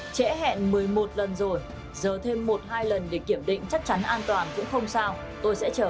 trễ hẹn một mươi một lần rồi giờ thêm một hai lần để kiểm định chắc chắn an toàn cũng không sao tôi sẽ chờ